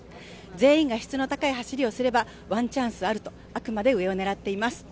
全員が質の高い走りをすればワンチャンスあるとあくまで上を狙っています。